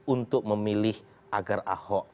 untuk memilih agar ahok